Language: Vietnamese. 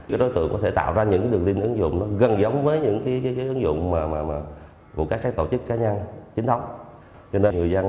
cái đối tượng có thể tạo ra những đường link ứng dụng gần giống với những cái ứng dụng